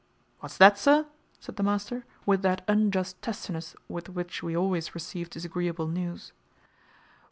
"What's that, sir?" said the master, with that unjust testiness with which we always receive disagreeable news.